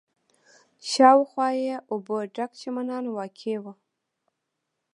شاوخوا یې اوبو ډک چمنان واقع و.